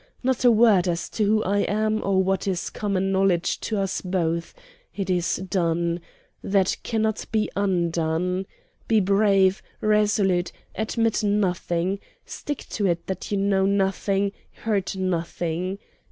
Not a word as to who I am, or what is common knowledge to us both. It is done. That cannot be undone. Be brave, resolute; admit nothing. Stick to it that you know nothing, heard nothing.